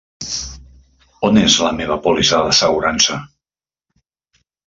On és la meva pòlissa d'assegurança?